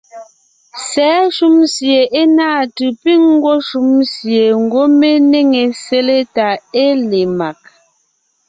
Sɛ̌ shúm sie é náa tʉ̀ piŋ ńgwɔ́ shúm sie ńgwɔ́ mé néŋe sele tà é le mag.